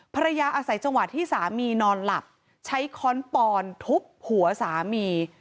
อาศัยจังหวะที่สามีนอนหลับใช้ค้อนปอนทุบหัวสามี